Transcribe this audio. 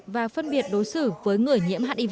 và phân biệt đối xử với người nhiễm hiv